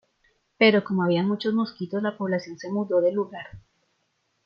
Pero como había muchos mosquitos la población se mudó del lugar.